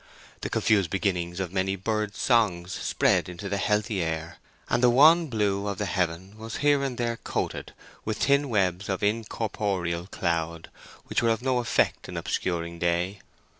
The confused beginnings of many birds' songs spread into the healthy air, and the wan blue of the heaven was here and there coated with thin webs of incorporeal cloud which were of no effect in obscuring day.